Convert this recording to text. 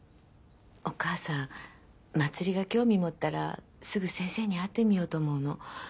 お母さん茉莉が興味持ったらすぐ先生に会ってみようと思うの。